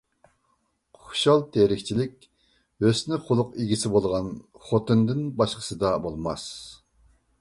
خۇشال تىرىكچىلىك ھۆسنى-خۇلق ئىگىسى بولغان خوتۇندىن باشقىسىدا بولماس.